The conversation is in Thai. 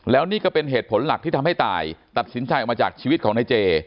แล้วนี่ก็เป็นเหตุผลหลักที่ทำให้ตายตัดสินใจออกมาจากชีวิตของนายเจ